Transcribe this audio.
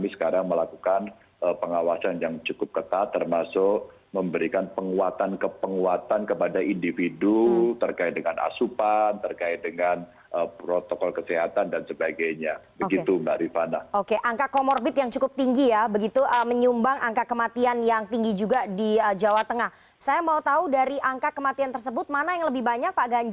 selamat sore mbak rifana